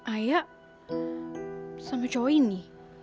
ayah sama cowok ini